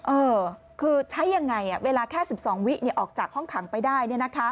เออคือใช้ยังไงเวลาแค่๑๒วิออกจากห้องขังไปได้